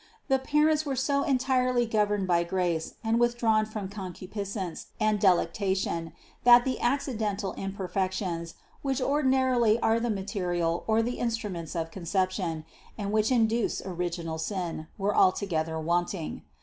The parents were so entirely governed by grace and withdrawn from concupiscence and delectation, that the accidental imperfections, which ordinarily are the material or the instruments of con ception, and which induce original sin, were altogether wanting.